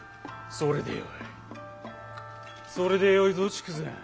それでよいぞ筑前。